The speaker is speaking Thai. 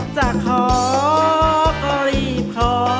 จะขอก็รีบขอ